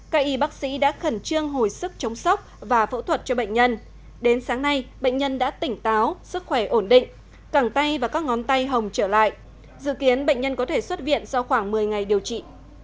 các y bác sĩ đã khẩn trương hồi sức chống sốc và phẫu thuật cho bệnh nhân đến sáng nay bệnh nhân đã tỉnh táo sức khỏe ổn định cẳng tay và các ngón tay hồng trở lại dự kiến bệnh nhân có thể xuất viện sau khoảng một mươi ngày điều trị